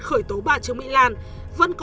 khởi tố ba trường mỹ lan